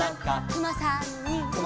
「くまさんに」